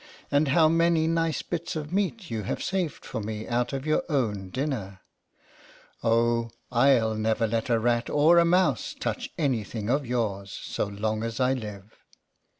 and how many nice bits of meat you have saved for me out of your own din ner! Oh, I'll never let a rat, or a mouse, touch any thing of yours so long as I live.